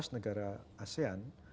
sebelas negara asean